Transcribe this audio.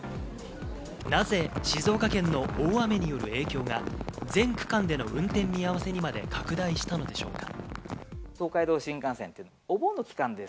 なぜ、静岡県の大雨による影響が全区間での運転見合わせにまで拡大したのでしょうか？